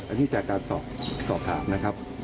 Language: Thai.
อันนี่แจกัดตอบถามนะครับ